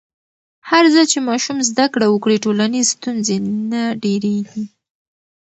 هرځل چې ماشوم زده کړه وکړي، ټولنیز ستونزې نه ډېرېږي.